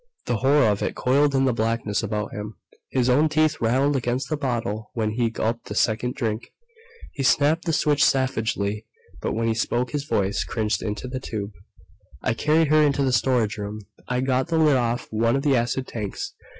The horror of it coiled in the blackness about him. His own teeth rattled against the bottle when he gulped the second drink. He snapped the switch savagely, but when he spoke his voice cringed into the tube: "I carried her into the storage room. I got the lid off one of the acid tanks.